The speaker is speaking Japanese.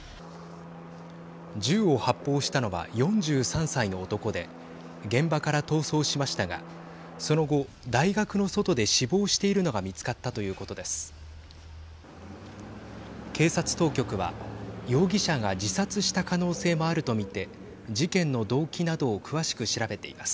銃を発砲したのは４３歳の男で現場から逃走しましたがその後、大学の外で死亡しているのが見つかったということです。